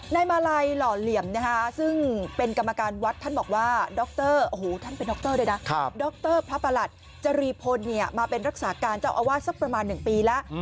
ในมาลัยหล่อเหลี่ยมซึ่งเป็นกรรมการวัดท่านบอกว่าดรพระประหลัดจริพลมาเป็นรักษาการเจ้าอาวาสสักประมาณ๑ปีแล้ว